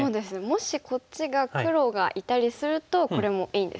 もしこっちが黒がいたりするとこれもいいですよね。